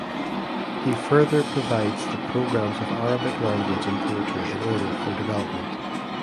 He further provides the Programmes of Arabic Language and Poetry in order for development.